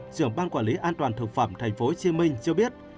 trưởng ban quản lý an toàn thực phẩm tp hcm cho biết